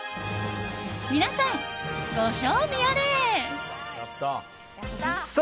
皆さん、ご賞味あれ！